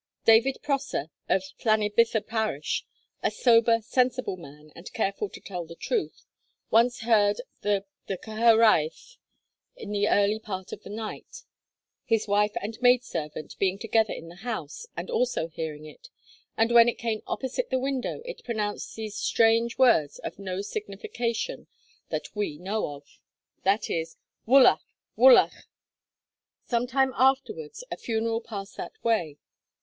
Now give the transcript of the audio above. David Prosser, of Llanybyther parish, 'a sober, sensible man and careful to tell the truth,' once heard the Cyhyraeth in the early part of the night, his wife and maid servant being together in the house, and also hearing it; and when it came opposite the window, it 'pronounced these strange words, of no signification that we know of,' viz. 'Woolach! Woolach!' Some time afterward a funeral passed that way.